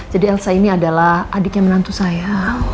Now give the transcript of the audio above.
jadi elsa ini adalah adiknya menantu saya